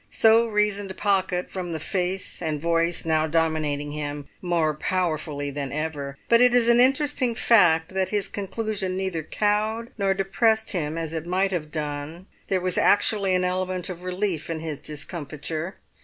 So reasoned Pocket from the face and voice now dominating him more powerfully than ever; but it is an interesting fact that his conclusion neither cowed nor depressed him as it might have done. There was actually an element of relief in his discomfiture.